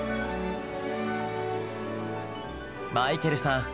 マイケルさん